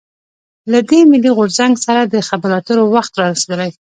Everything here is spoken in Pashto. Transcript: له دې «ملي غورځنګ» سره د خبرواترو وخت رارسېدلی.